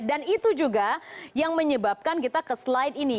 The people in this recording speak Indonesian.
dan itu juga yang menyebabkan kita ke slide ini